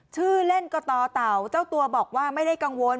ชื่อเล่นก็ต่อเต่าเจ้าตัวบอกว่าไม่ได้กังวล